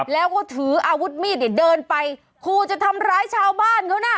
แล้วก็ถืออาวุธมีดเนี่ยเดินไปคู่จะทำร้ายชาวบ้านเขาน่ะ